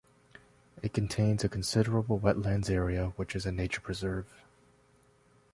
It contains a considerable wetlands area which is a nature preserve.